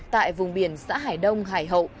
tại vùng biển xã hải đông hải hậu